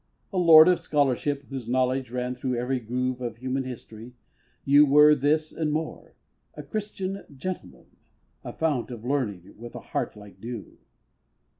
A lord of scholarship whose knowledge ran Through every groove of human history, you Were this and more a Christian gentleman; A fount of learning with a heart like dew.